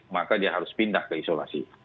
maka dia harus pindah ke isolasi